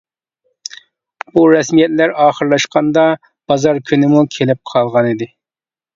بۇ رەسمىيەتلەر ئاخىرلاشقاندا بازار كۈنىمۇ كېلىپ قالغانىدى.